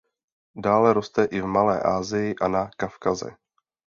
Dále roste i v Malé Asii a na Kavkaze.